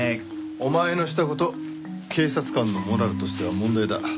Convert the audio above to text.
お前のした事警察官のモラルとしては問題だ。